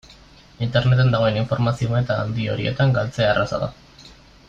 Interneten dagoen informazio-meta handi horietan galtzea erraza da.